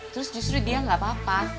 terus justru dia nggak apa apa